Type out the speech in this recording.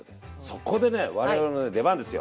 そこでね我々の出番ですよ。